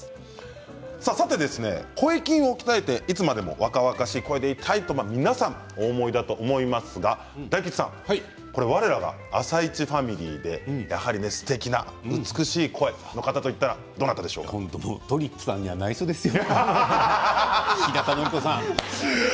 さて声筋を鍛えて、いつまでも若々しい声でいたいと皆さんお思いだと思いますが大吉さんわれらが「あさイチ」ファミリーでやはりすてきな美しい声であの方、あの方といったらとりっぷさんにはないしょですよ。